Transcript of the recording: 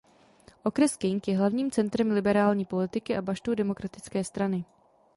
Okres King je hlavním centrem liberální politiky a baštou Demokratické strany.